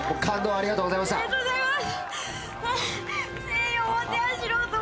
ありがとうございます。